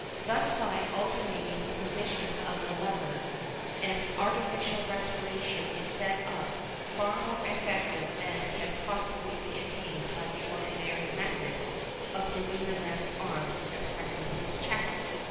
Thus by alternating the positions of the lever an artificial respiration is set up far more effective than can possibly be attained by the ordinary method of moving the man's arms and pressing his chest.